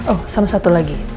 oh sama satu lagi